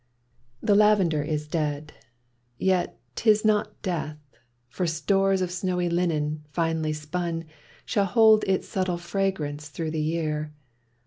The lavender is dead, yet 't is not death, For stores of snowy linen, finely spun. Shall hold its subtle fragrance through the year.